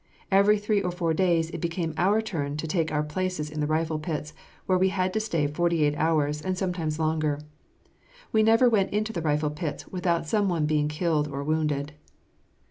Every three or four days it became our turn to take our places in the rifle pits, where we had to stay forty eight hours, and sometimes longer. We never went into the rifle pits without some one being killed or wounded.